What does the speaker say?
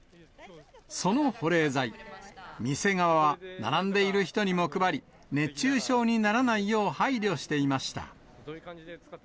その保冷剤、店側は並んでいる人にも配り、熱中症にならないよう配慮していました。